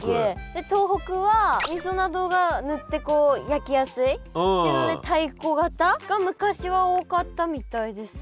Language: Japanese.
で東北はみそなどが塗って焼きやすいっていうので太鼓型が昔は多かったみたいです。